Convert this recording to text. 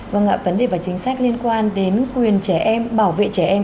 vâng ạ vấn đề và chính sách liên quan đến quyền trẻ em bảo vệ trẻ em